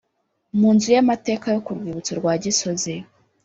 Mu nzu y’amateka yo ku rwibutso rwa Gisozi,